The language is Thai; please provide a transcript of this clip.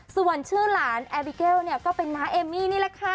ส่วนชื่อหลานแอร์บิเกลเนี่ยก็เป็นน้าเอมมี่นี่แหละค่ะ